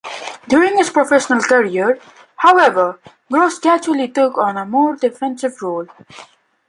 During his professional career, however, Gros gradually took on a more defensive role.